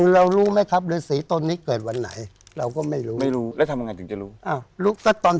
การใส่ฤทธิ์ของฤทธิ์ศรีแล้วแต่ละตนล่ะฮะ